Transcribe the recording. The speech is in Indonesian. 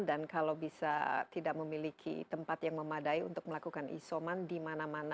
dan kalau bisa tidak memiliki tempat yang memadai untuk melakukan isoman di mana mana